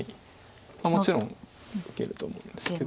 もちろん受けると思うんですけど。